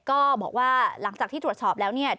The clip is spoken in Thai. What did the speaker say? ก็บอกว่าหลังจากที่ตรวจสอบแล้วเนี่ย